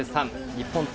日本対